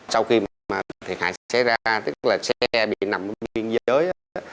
sau khi thiệt hại xảy ra tức là xe bị nằm trên biên giới